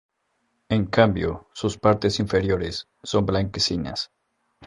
En cambio, sus partes inferiores son blanquecinas.